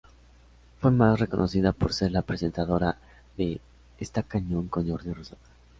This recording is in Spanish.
Fue más reconocida por ser la presentadora de "Está cañón", con Jordi Rosado.